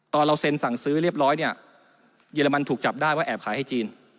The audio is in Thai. เราเซ็นสั่งซื้อเรียบร้อยเนี่ยเยอรมันถูกจับได้ว่าแอบขายให้จีน